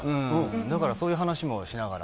だからそういう話もしながら。